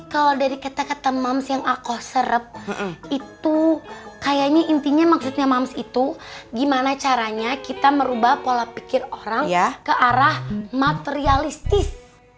kalau dari kata kata moms yang aku serep itu kayaknya intinya maksudnya moms itu gimana caranya kita merubah pola pikir orang ke arah materialistis